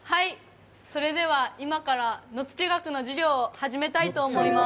それでは、今から「野付学」の授業を始めたいと思います。